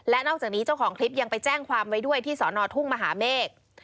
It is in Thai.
และนอกจากนี้เจ้าของคลิปยังไปแจ้งความไว้ด้วยที่สอนอทุ่งมหาเมฆ